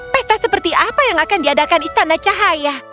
pesta seperti apa yang akan diadakan istana cahaya